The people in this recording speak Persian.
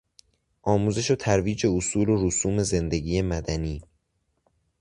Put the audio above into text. آموزش و ترویج اصول و رسوم زندگی مدنی